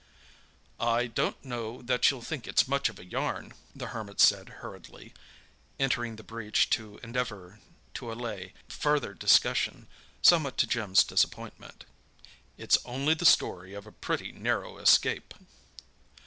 "I don't know that you'll think it's much of a yarn," the Hermit said hurriedly, entering the breach to endeavour to allay further discussion—somewhat to Jim's disappointment. "It's only the story of a pretty narrow escape.